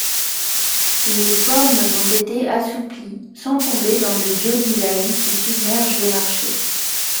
Les formes ont été assouplies, sans tomber dans le bio-design qui submerge le marché.